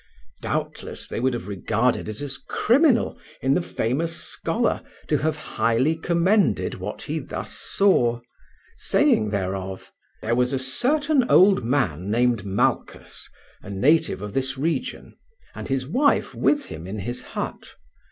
Doubtless they would have regarded it as criminal in the famous scholar to have highly commended what he thus saw, saying thereof: "There was a certain old man named Malchus, a native of this region, and his wife with him in his hut.